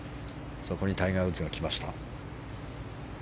そこにタイガー・ウッズが来ました。